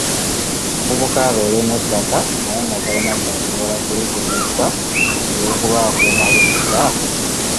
Omuvubuka abeere n'ettaka naye nga talina ky'asobola kulikozesa olw'okuba akuuma busika?